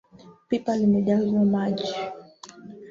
Pipa limejazwa maji.